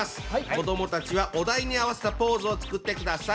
子どもたちはお題に合わせたポーズを作ってください。